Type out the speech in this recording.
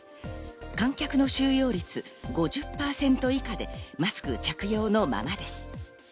観客の収容率５０％以下でマスク着用のままです。